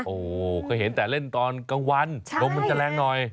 โอ้โหเคยเห็นแต่เล่นตอนกลางวันลมมันจะแรงหน่อย